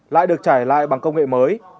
lại được trải lại bằng công nghệ mới